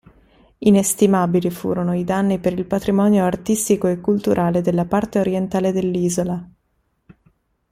Inestimabili furono i danni per il patrimonio artistico e culturale della parte orientale dell'isola.